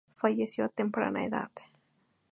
Falleció a temprana edad.